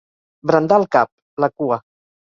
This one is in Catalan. Brandar el cap, la cua.